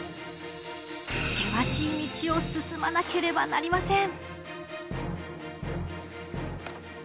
険しい道を進まなければなりません。